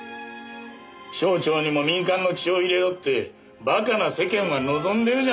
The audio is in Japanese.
省庁にも民間の血を入れろってバカな世間は望んでるじゃないか。